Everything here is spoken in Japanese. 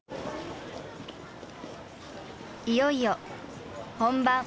いよいよ本番。